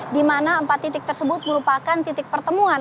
di mana empat titik tersebut merupakan titik pertemuan